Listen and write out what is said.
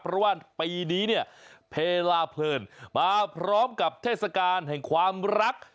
เพราะว่าปีนี้เนี่ยเพลาเพลินมาพร้อมกับเทศกาลแห่งความรัก